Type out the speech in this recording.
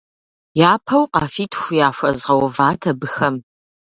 Япэу къафитху яхуэзгъэуват абыхэм.